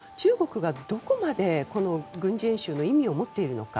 したがって中国が、どこまで軍事演習の意味を持っているのか。